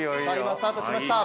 今スタートしました。